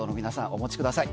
お持ちください。